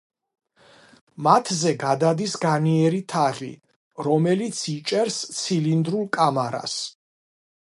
მათზე გადადის განიერი თაღი, რომელიც იჭერს ცილინდრულ კამარას.